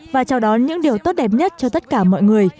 và chào đón những điều tốt đẹp nhất cho tất cả mọi người